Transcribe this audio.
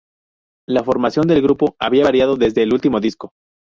La formación del grupo había variado desde el último disco.